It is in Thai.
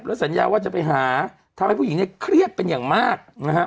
และสัญญาว่าจะไปหาทำให้ผู้หญิงเครียดเป็นอย่างมาก